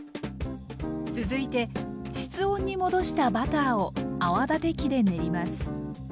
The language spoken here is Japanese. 続いて室温に戻したバターを泡立て器で練ります。